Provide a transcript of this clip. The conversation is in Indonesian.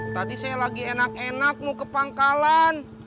tadi saya lagi enak enak mau ke pangkalan